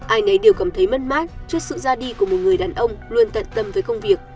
ai nấy đều cảm thấy mất mát trước sự ra đi của một người đàn ông luôn tận tâm với công việc